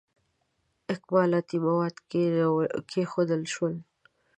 اکمالاتي مواد کښېښودل شول.